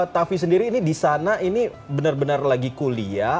tavi sendiri ini di sana ini benar benar lagi kuliah